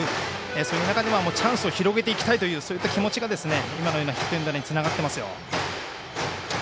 そういう中でチャンスを広げていきたいという気持ちが今のようなヒットエンドにつながっていますよ。